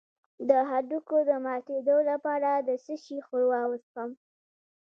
د هډوکو د ماتیدو لپاره د څه شي ښوروا وڅښم؟